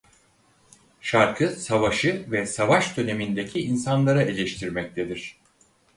Şarkı savaşı ve savaş dönemindeki insanları eleştirmektedir.